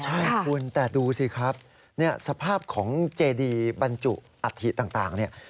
ใช่คุณแต่ดูสิครับสภาพของเจดีบรรจุอัฐิต่างเนี่ย